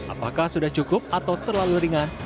apakah sudah cukup atau terlalu ringan